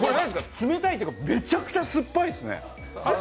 冷たいっていうかめちゃくちゃ酸っぱいですね。